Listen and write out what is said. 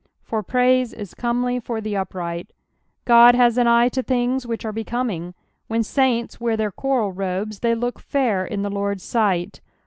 "For praise is comely /or the upright." God has an eye to things which are becoming. Wlien saints wear their choral robes, they look fair in the Lord's right.